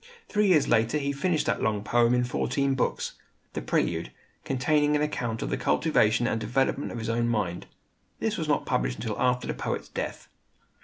Three years later he finished that long poem in fourteen books, "The Prelude," containing an account of the cultivation and development of his own mind. This was not published until after the poet's death.